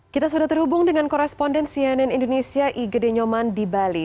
kita sudah terhubung dengan koresponden cnn indonesia igede nyoman di bali